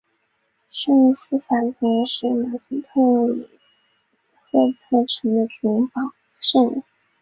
圣瑟法斯是马斯特里赫特城的主保圣人。